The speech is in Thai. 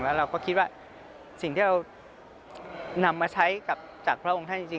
แล้วเราก็คิดว่าสิ่งที่เรานำมาใช้กับจากพระองค์ท่านจริง